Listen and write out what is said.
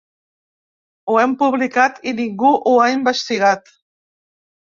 Ho hem publicat, i ningú no ho ha investigat.